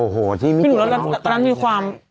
พี่หนูแล้วนั้นมีความ